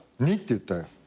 「に」って言ったよ。